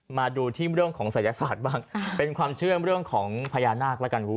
มาดูที่เรื่องของศัยศาสตร์บ้างคือเภยานาค